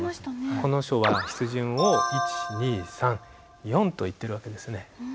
この書は筆順を１２３４といってる訳ですね。